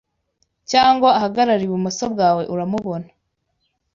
cyangwa ahagarare ibumoso bwawe urambona